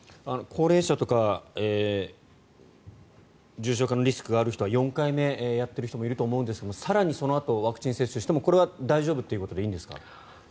高齢者とか重症化のリスクがある人は４回目やっている人もいると思うんですが更にそのあとワクチン接種してもこれは大丈夫ということでいいんですか？